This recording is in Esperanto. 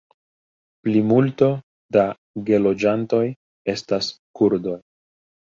Plimulto da geloĝantoj estas kurdoj.